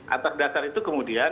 atas dasar itu kemudian